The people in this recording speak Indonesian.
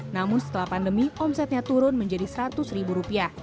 namun setelah pandemi omsetnya turun menjadi seratus ribu rupiah